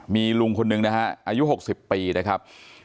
มีลุงคนหนึ่งนะฮะอายุ๖๐ปีนะครับ